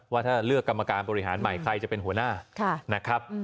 ว่าถ้าเลือกกรรมการบริหารใหม่ใครจะเป็นหัวหน้านะครับ